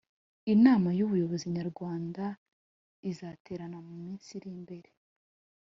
Inama yubuyobozi nyarwanda izaterana muminsi irimbere